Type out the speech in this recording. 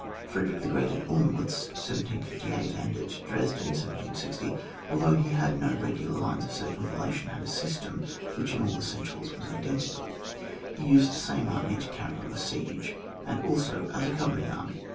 Frederick the Great at Olmiitz, 1758, and at Dresden, 1760, although he had no regular lines of cir cumvallation, had a system which in all essentials was identical; he used the same army to carry on the siege, ^d also as a covering army.